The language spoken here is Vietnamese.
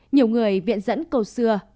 nhiều người viện dẫn câu xưa